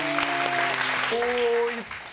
どういった。